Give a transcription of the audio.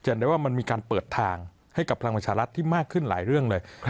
ได้ว่ามันมีการเปิดทางให้กับพลังประชารัฐที่มากขึ้นหลายเรื่องเลย